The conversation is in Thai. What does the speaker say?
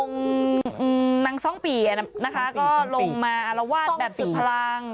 องค์นางซองปีนะคะก็ลงมาอลวาดแบบสุดพลัง